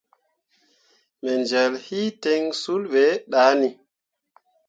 Me jel hi ten sul be dah ni.